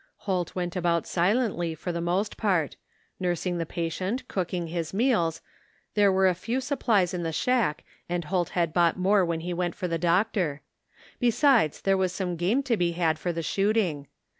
Holt went about silently for the most port ; nursing the patient, cooking his meals — ^there were a few supplies in the shack and Holt had bought more when he went for the doctor ; besides there was game to be had for the shcx>ting.